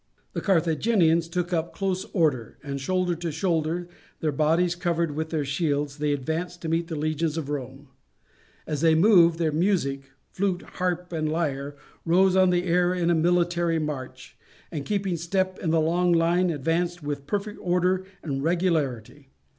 The Carthaginians took up close order, and, shoulder to shoulder, their bodies covered with their shields, they advanced to meet the legions of Rome. As they moved, their music flute, harp, and lyre rose on the air in a military march, and keeping step the long line advanced with perfect order and regularity.